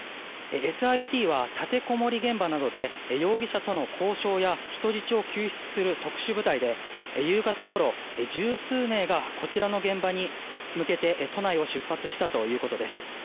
ＳＩＴは立てこもり現場などで容疑者との交渉や人質を救出する特殊部隊で夕方ごろ、十数名がこちらの現場に向けて都内を出発したということです。